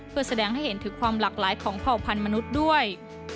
เพื่อแสดงให้เห็นถึงความหลากหลายของเผ่าพันธุ์มนุษย์ด้วย